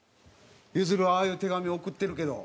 ゆずるはああいう手紙を送ってるけど。